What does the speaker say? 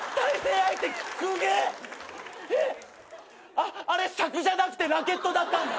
あっあれしゃくじゃなくてラケットだったんだ！